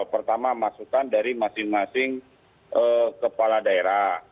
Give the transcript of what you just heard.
pertama masukan dari masing masing kepala daerah